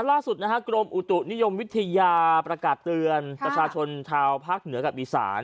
ล่าสุดนะฮะกรมอุตุนิยมวิทยาประกาศเตือนประชาชนชาวภาคเหนือกับอีสาน